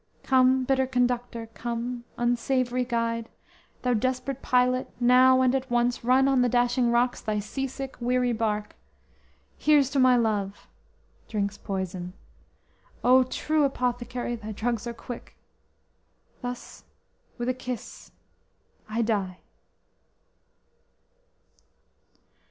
Come, bitter conductor, come, unsavory guide! Thou desperate pilot, now and at once run on The dashing rocks thy sea sick, weary bark! Here's to my love!_ (Drinks poison.) _O, true apothecary! Thy drugs are quick; thus with a kiss I die!"